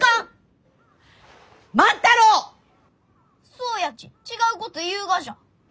そうやち違うこと言うがじゃ。